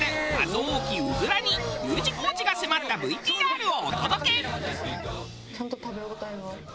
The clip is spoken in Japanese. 多きうずらにＵ字工事が迫ったＶＴＲをお届け！